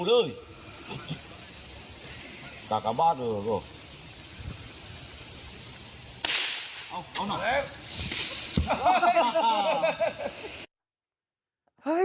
เอาหน่อย